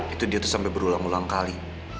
itu dia tuh sampai berulang ulang kali